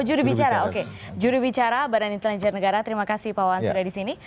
juru bicara oke juri bicara badan intelijen negara terima kasih pak wawan sudah di sini